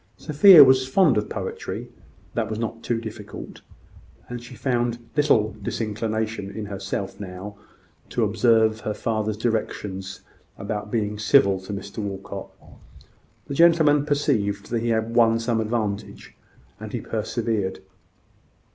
Sophia was fond of poetry that was not too difficult; and she found little disinclination in herself now to observe her father's directions about being civil to Mr Walcot. The gentleman perceived that he had won some advantage; and he persevered.